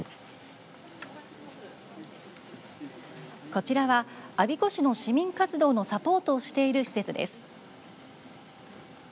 こちらは我孫子市の市民活動のサポートをしている施設です。